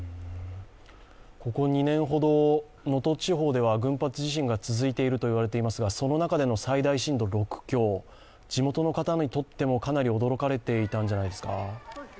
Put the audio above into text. ここ２年ほど、能登地方では群発地震が続いていますがその中での最大震度６強、地元の方にとってもかなり驚かれていたんじゃないですか？